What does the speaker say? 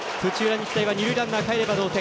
日大は二塁ランナーかえれば同点。